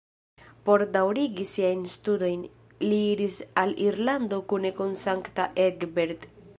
Por daŭrigi siajn studojn, li iris al Irlando kune kun Sankta Egbert.